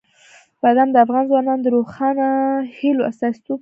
بادام د افغان ځوانانو د روښانه هیلو استازیتوب کوي.